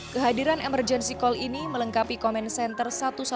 kehadiran emergency call ini melengkapi komen center satu ratus dua belas